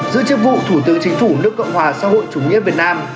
giữ chức vụ thủ tướng chính phủ nước cộng hòa xã hội chủ nghĩa việt nam